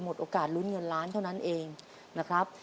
โอกาสลุ้นเงินล้านเท่านั้นเองนะครับ